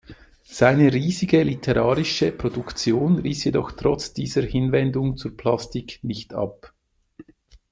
Seine riesige literarische Produktion riss jedoch trotz dieser Hinwendung zur Plastik nicht ab.